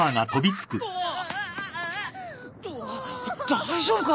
大丈夫か？